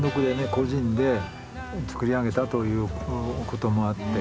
個人で作り上げたということもあってですね